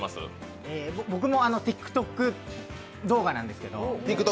僕もＴｉｋＴｏｋ動画なんですけど。